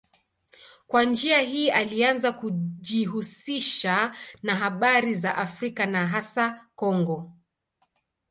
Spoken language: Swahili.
Kwa njia hii alianza kujihusisha na habari za Afrika na hasa Kongo.